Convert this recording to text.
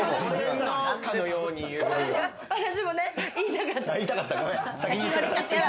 私も言いたかった。